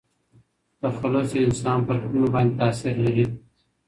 تخلص د انسان پر کړنو باندي تاثير لري.